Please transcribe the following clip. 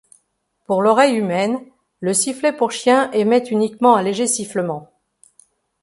Pour l'oreille humaine, le sifflet pour chien émet uniquement un léger sifflement.